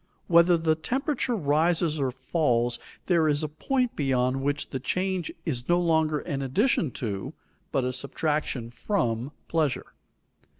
Whether the temperature rises or falls, there is a point beyond which the change is no longer an addition to, but a subtraction from, pleasure.